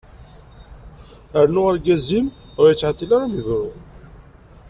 Rnu argaz-im ur yettɛeṭil ara ad m-ibru.